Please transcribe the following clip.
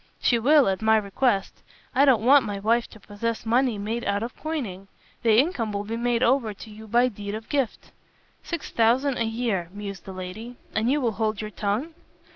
"She will, at my request. I don't want my wife to possess money made out of coining. The income will be made over to you by deed of gift." "Six thousand a year," mused the lady, "and you will hold your tongue?"